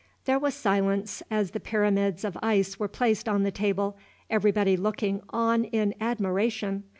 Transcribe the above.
There was silence as the pyramids of ice were placed on the table, everybody looking on in admiration.